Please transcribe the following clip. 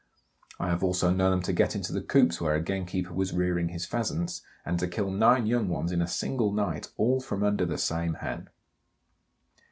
I have also known them to get into the coops where a gamekeeper was rearing his pheasants, and to kill nine young ones in a single night all from under the same hen.